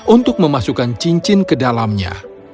untuk memasukkan cincin ke dalamnya